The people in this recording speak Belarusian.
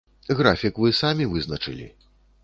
Графік вы самі вызначылі.